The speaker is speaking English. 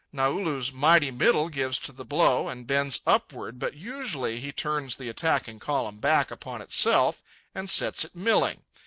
Naulu's mighty middle gives to the blow and bends upward, but usually he turns the attacking column back upon itself and sets it milling.